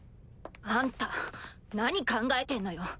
あんた何考えてんのよ。